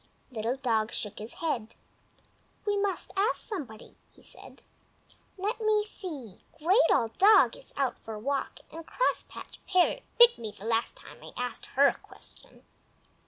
Little Dog shook his head. "We must ask somebody," he said. "Let me see! Great Old Dog is out for a walk, and Crosspatch Parrot bit me the last time I asked her a question."